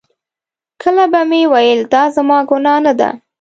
کله به مې ویل دا زما ګناه نه ده.